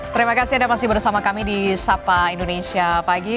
terima kasih anda masih bersama kami di sapa indonesia pagi